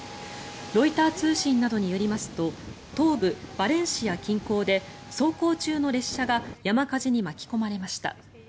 ロイター通信などによりますと東部バレンシア近郊で走行中の列車が山火事に巻き込まれました。